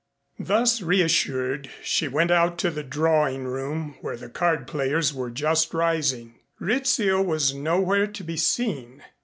Thus reassured she went out to the drawing room where the card players were just rising. Rizzio was nowhere to be seen.